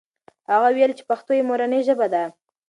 هغه وویل چې پښتو یې مورنۍ ژبه ده.